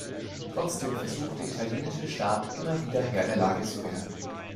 Trotzdem versucht der italienische Staat immer wieder, Herr der Lage zu werden.